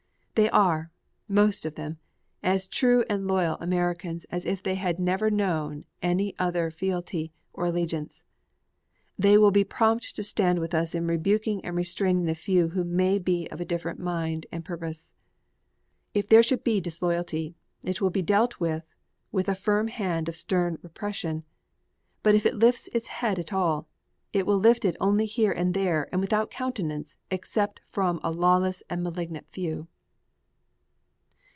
They are, most of them, as true and loyal Americans as if they had never known any other fealty or allegiance. They will be prompt to stand with us in rebuking and restraining the few who may be of a different mind and purpose. If there should be disloyalty, it will be dealt with with a firm hand of stern repression; but, if it lifts its head at all, it will lift it only here and there and without countenance except from a lawless and malignant few.